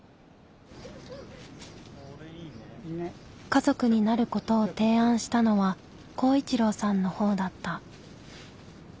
家族になることを提案したのは公一郎さんの方だった。